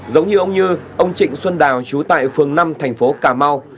giống như ông như ông trịnh xuân đào chú tại phường năm thành phố cà mau